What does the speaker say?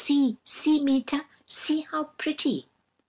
see, see, Meeta! see how pretty!'